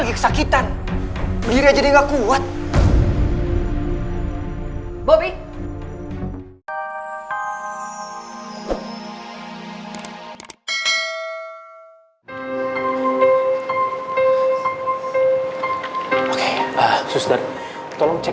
mas wati masih ada di sistem gak